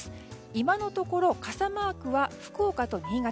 今のところ傘マークは福岡と新潟。